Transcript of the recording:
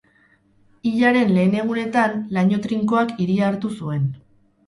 Hilaren lehen egunetan laino trinkoak hiria hartu zuen.